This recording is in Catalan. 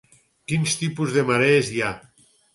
Quins tipus de marees hi ha?